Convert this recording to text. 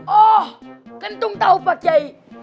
oh kentung tahu pak kiai